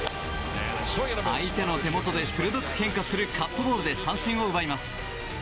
相手の手元で鋭く変化するカットボールで三振を奪います。